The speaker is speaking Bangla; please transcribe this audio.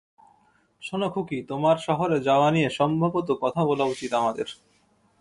শোনো খুকী, তোমার শহরে যাওয়া নিয়ে সম্ভবত কথা বলা উচিত আমাদের।